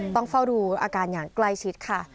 ต้องเฝ้าดูอาการอย่างใกล้ชิดค่ะ